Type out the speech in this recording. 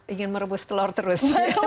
ingin merebus telor terus